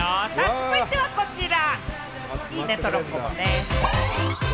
続いてはこちら！